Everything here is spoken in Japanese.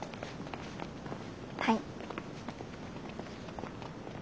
はい。